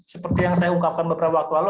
seperti yang saya ungkapkan beberapa waktu lalu